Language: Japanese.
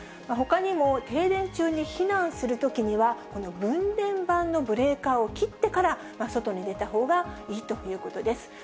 ほかにも停電中に避難するときには、分電盤のブレーカーを切ってから外に出たほうがいいということです。